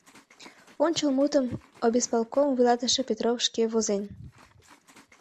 — Ончыл мутым обисполком вуйлатыше Петров шке возен.